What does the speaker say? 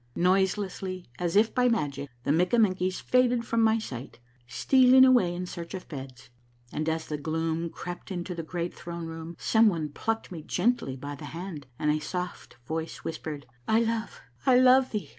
Noiselessly, as if by magic, the Mikka menkies faded from my sight, stealing away in search of beds, and as the gloom crept into the great throne room, some one plucked me gently by the liand and a soft voice whispered, —" I love ! I love thee